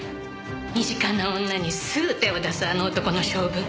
身近な女にすぐ手を出すあの男の性分。